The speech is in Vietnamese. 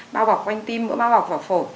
bao bọc quanh tim mỡ bao bọc vào phổ